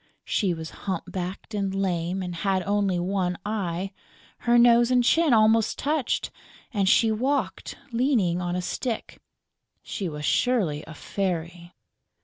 She was hump backed and lame and had only one eye; her nose and chin almost touched; and she walked leaning on a stick. She was surely a fairy.